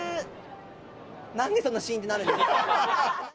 なんでそんなシーンとなるんですか？